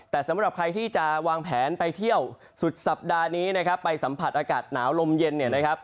แต่สำหรับใครที่จะวางแผนไปเที่ยวสุดสัปดาห์นี้นะครับไปสัมผัสอากาศหนาวลมเย็นเนี่ยนะครับ